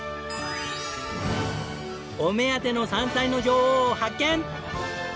お目当ての山菜の女王を発見！